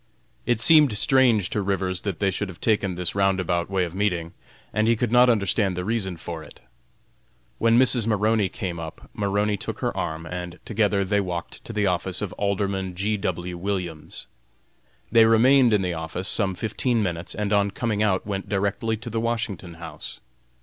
It seemed strange to Rivers that they should have taken this roundabout way of meeting, and he could not understand the reason for it. When Mrs. Maroney came up, Maroney took her arm, and together they walked to the office of Alderman G. W. Williams. They remained in the office some fifteen minutes, and on coming out went directly to the Washington House.